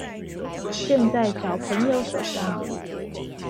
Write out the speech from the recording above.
現在小朋友手上